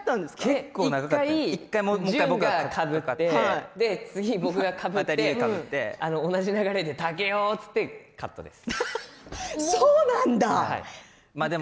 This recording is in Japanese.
１回、淳がかぶって次、僕がかぶって同じ流れで竹雄って言ってカットです。